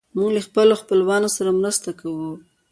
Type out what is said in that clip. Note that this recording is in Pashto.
موږ له خپلو خپلوانو سره مرسته کوو.